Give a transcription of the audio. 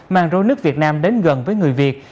mang ron nước việt nam đến gần với người việt